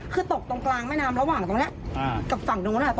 คือตกตรงกลางแม่น้ำระหว่างตรงนี้